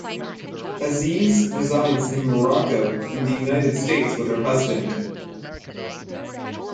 Aziz resides in Morocco and the United States with her husband.